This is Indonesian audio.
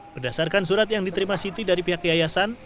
berdasarkan surat yang diterima siti dari pihak yayasan